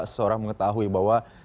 seorang mengetahui bahwa